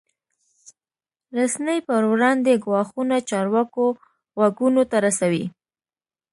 رسنۍ پر وړاندې ګواښونه چارواکو غوږونو ته رسوي.